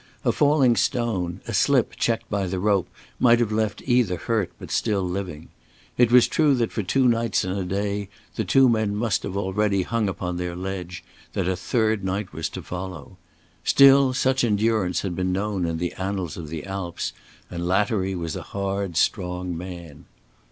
A falling stone, a slip checked by the rope might have left either hurt but still living. It was true that for two nights and a day the two men must have already hung upon their ledge, that a third night was to follow. Still such endurance had been known in the annals of the Alps, and Lattery was a hard strong man.